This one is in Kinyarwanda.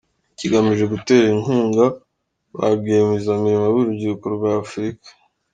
Kigamije gutera inkunga ba rwiyemezamirimo b’urubyiruko rwa Afurika.